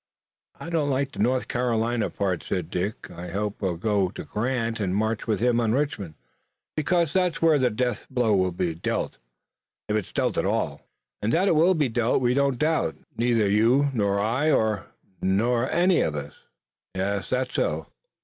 "I don't like the North Carolina part," said Dick. "I hope we'll go to Grant and march with him on Richmond, because that's where the death blow will be dealt, if it's dealt at all." "And that it will be dealt we don't doubt, neither you, nor I nor any of us." "Yes, that's so."